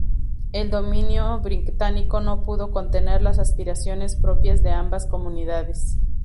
El dominio británico no pudo contener las aspiraciones propias de ambas comunidades.